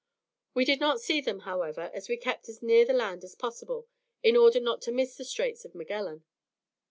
We did not see them, however, as we kept as near the land as possible, in order not to miss the Straits of Magellan.